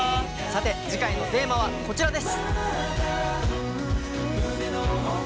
さて次回のテーマはこちらです。